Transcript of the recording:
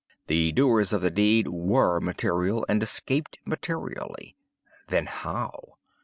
The doers of the deed were material, and escaped materially. Then how?